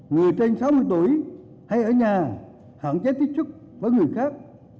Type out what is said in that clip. người trên sáu mươi tuổi hay ở nhà hạn chế tiếp xúc với người khác